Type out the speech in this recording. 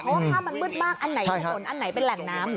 เพราะว่าภาพมันมืดมากอันไหนถนนอันไหนเป็นแหล่งน้ำ